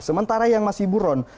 sementara yang masih buron